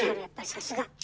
やっぱりさすが！